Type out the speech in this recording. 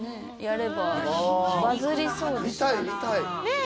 見たい見たい。ねえ？